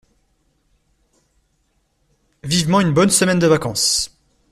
Vivement une bonne semaine de vacances!